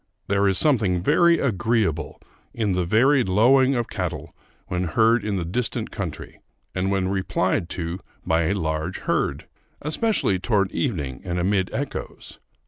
There is something very agreeable in the varied lowing of cattle when heard in the distant country, and when replied to by a large herd, especially toward evening and amid echoes.